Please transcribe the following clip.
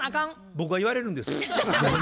僕が言われるんです。